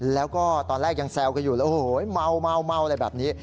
แล้วก็ตอนแรกยังแซวกันอยู่แล้วโอ้โหเมาอะไรแบบนี้